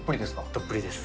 どっぷりです。